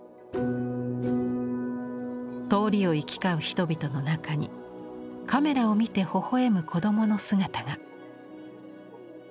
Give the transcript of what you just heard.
通りを行き交う人々の中にカメラを見てほほ笑む子どもの姿が。